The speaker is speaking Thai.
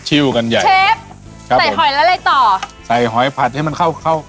กันใหญ่เชฟครับใส่หอยแล้วอะไรต่อใส่หอยผัดให้มันเข้าเข้า